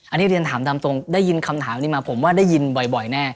อันนี้เรียนถามตามตรงได้ยินคำถามนี้มาผมว่าได้ยินบ่อยแน่